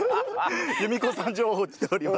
由美子さん情報来ております。